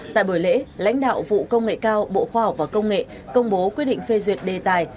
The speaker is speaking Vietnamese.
tại buổi lễ lãnh đạo vụ công nghệ cao bộ khoa học và công nghệ công bố quyết định phê duyệt đề tài